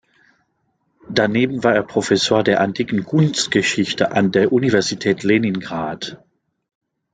Daneben war er Professor der antiken Kunstgeschichte an der Universität Leningrad.